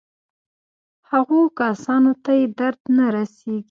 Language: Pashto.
هغو کسانو ته یې درد نه رسېږي.